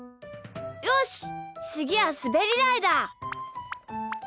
よしつぎはすべりだいだ！